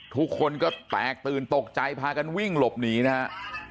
ทุกคนก็แตกตื่นตกใจพากันวิ่งหลบหนีนะฮะ